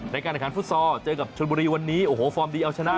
ในการแข่งขันฟุตซอลเจอกับชนบุรีวันนี้โอ้โหฟอร์มดีเอาชนะ